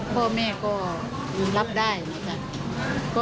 พ่อแม่ก็รับได้นะจ๊ะ